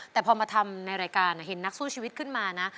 แต่พอมาทำในรายการเห็นนักสู้ชีวิตขึ้นมานะ